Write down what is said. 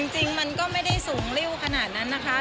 จริงมันก็ไม่ได้สูงริ้วขนาดนั้นนะคะ